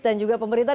dan juga pemerintah